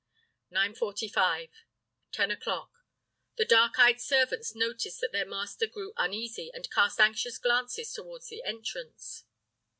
Nine forty five; ten o'clock. The dark eyed servants noticed that their master grew uneasy and cast anxious glances toward the entrance.